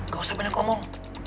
gak usah banyak ngomong